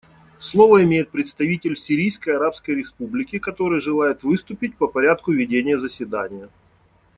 Слово имеет представитель Сирийской Арабской Республики, который желает выступить по порядку ведения заседания.